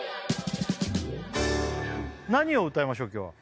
何を歌いましょう今日は？